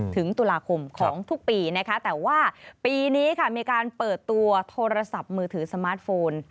ถึงตุลาคมของทุกปีนะคะแต่ว่าปีนี้ค่ะมีการเปิดตัวโทรศัพท์มือถือสมาร์ทโฟน